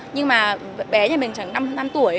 nhưng mà bé nhà mình chẳng năm tuổi